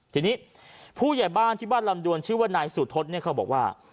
ทีนี้ผู้ใหญ่บ้านที่บ้านลำดวนชื่อว่านายสุทศเนี่ยเขาบอกว่า